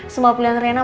semua pilihan rena